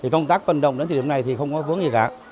công tác vận động đến thời điểm này thì không có vướng gì cả